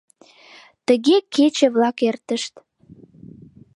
Тыге кече-влак эртышт.